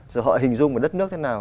rồi họ hình dung vào đất nước thế nào